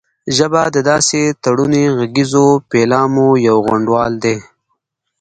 ژبه د داسې تړوني غږیزو پيلامو یو غونډال دی